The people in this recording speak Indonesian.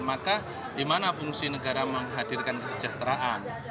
maka di mana fungsi negara menghadirkan kesejahteraan